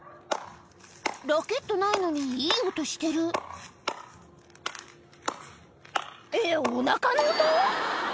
ラケットないのにいい音してるえっお腹の音